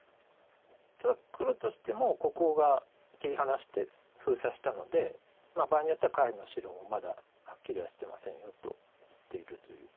ただ黒としてもここが切り離して封鎖したので場合によっては下辺の白もまだはっきりはしてませんよと言っているという。